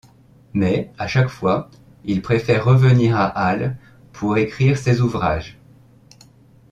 Mais, à chaque fois, il préfère revenir à Halle pour écrire ses ouvrages.